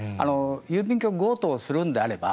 郵便局強盗をするのであれば、